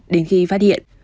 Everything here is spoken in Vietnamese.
đến khi phát hiện